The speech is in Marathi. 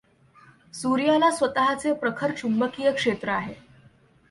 सूर्याला स्वत चे प्रखर चुंबकीय क्षेत्र आहे.